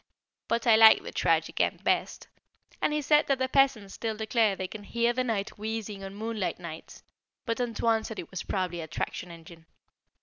But I like the tragic end best. And he said that the peasants still declare they can hear the knight wheezing on moonlight nights, but "Antoine" said it was probably a traction engine.